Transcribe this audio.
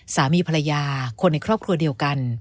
สามีภรรยาคนในครอบครัวเดียวกัน